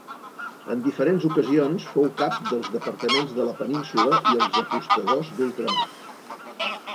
En diferents ocasions fou cap dels Departaments de la Península i els Apostadors d'Ultramar.